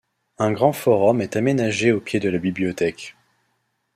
Un grand forum est aménagé au pied de la bibliothèque.